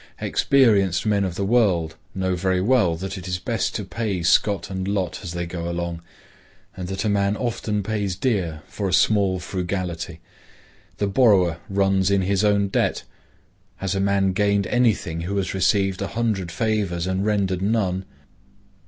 Experienced men of the world know very well that it is best to pay scot and lot as they go along, and that a man often pays dear for a small frugality. The borrower runs in his own debt. Has a man gained any thing who has received a hundred favors and rendered none?